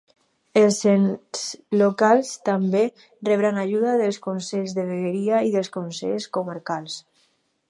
Els ens locals, també rebran ajuda dels consells de vegueria i dels consells comarcals.